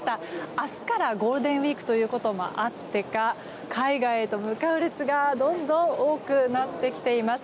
明日からゴールデンウィークということもあってか海外へと向かう列がどんどん多くなってきています。